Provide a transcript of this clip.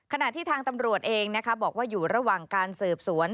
ขณะที่ทางตำรวจเองนะคะบอกว่าอยู่ระหว่างการสืบสวน